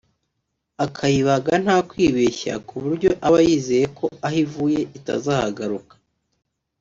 akayibaga nta kwibeshya ku buryo aba yizeye ko aho ivuye itazahagaruka